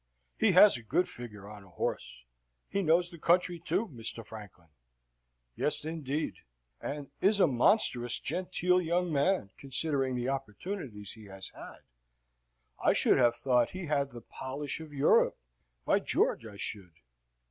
"He has a good figure on a horse. He knows the country too, Mr. Franklin." "Yes, indeed." "And is a monstrous genteel young man, considering the opportunities he has had. I should have thought he had the polish of Europe, by George I should."